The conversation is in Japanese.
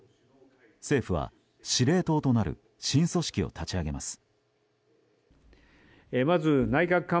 政府は司令塔となる新組織を立ち上げます。